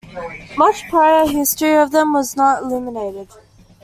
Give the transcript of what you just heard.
Much prior history of them was not illuminated.